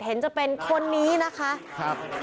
เห็นจะเป็นคนนี้นะคะ